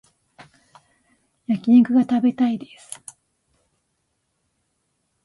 焼き肉が食べたいです